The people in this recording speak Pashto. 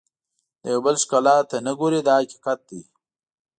د یو بل ښکلا ته نه ګوري دا حقیقت دی.